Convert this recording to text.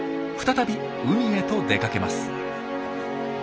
再び海へと出かけます。